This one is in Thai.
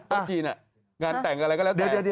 จีนงานแต่งอะไรก็แล้วแต่